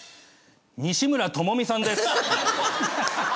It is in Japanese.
西村知美さんです。